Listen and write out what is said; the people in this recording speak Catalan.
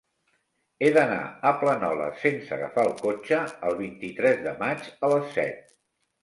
He d'anar a Planoles sense agafar el cotxe el vint-i-tres de maig a les set.